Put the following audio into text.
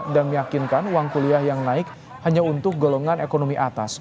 dan meyakinkan uang kuliah yang naik hanya untuk golongan ekonomi atas